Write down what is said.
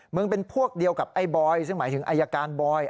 เป็นพวกเดียวกับไอ้บอยซึ่งหมายถึงอายการบอย